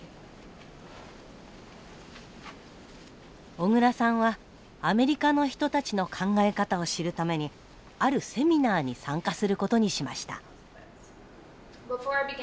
小倉さんはアメリカの人たちの考え方を知るためにあるセミナーに参加することにしました。